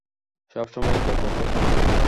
সবসময় একে অপরকে সাহায্য করি।